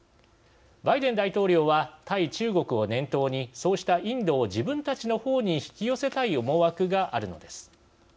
バイデン大統領は対中国を念頭にそうしたインドを自分たちのほうに引き寄せたい思惑があるのです。